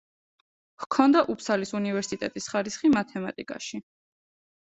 ჰქონდა უფსალის უნივერსიტეტის ხარისხი მათემატიკაში.